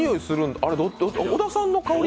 あれ小田さんの香り？